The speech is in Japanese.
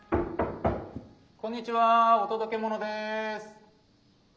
・こんにちはお届けものです。